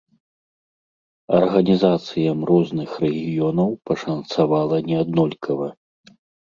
Арганізацыям розных рэгіёнаў пашанцавала неаднолькава.